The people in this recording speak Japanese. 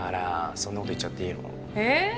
そんな事言っちゃっていいの？ええ？